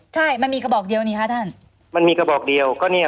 ใช่มันมีกระบอกเดียวนี่คะท่านมันมีกระบอกเดียวก็เนี่ย